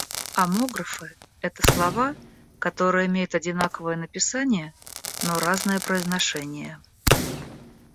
Омографы - это слова, которые имеют одинаковое написание, но разное произношение.